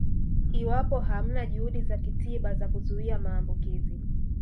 Iwapo hamna juhudi za kitiba za kuzuia maambukizi